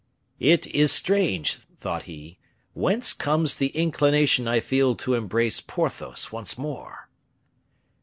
"It is strange," thought he, "whence comes the inclination I feel to embrace Porthos once more?"